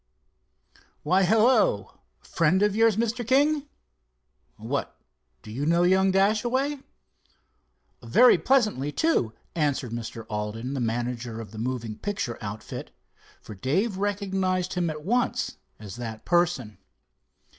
"Why, hello—friend of yours, Mr. King?" "What, do you know young Dashaway?" "Very pleasantly, too," answered Mr. Alden, the manager of the moving picture outfit, for Dave recognized him at once as that person.